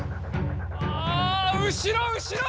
あぁ後ろ後ろ！